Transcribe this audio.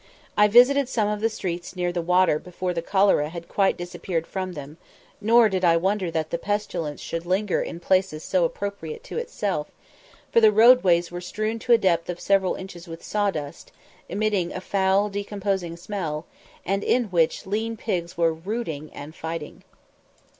I visited some of the streets near the water before the cholera had quite disappeared from them, nor did I wonder that the pestilence should linger in places so appropriate to itself; for the roadways were strewn to a depth of several inches with sawdust, emitting a foul decomposing smell, and in which lean pigs were routing and fighting.